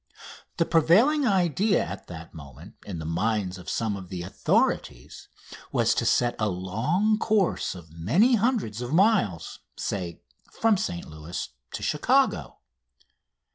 The prevailing idea at that moment in the minds of some of the authorities was to set a long course of many hundreds of miles say, from St Louis to Chicago.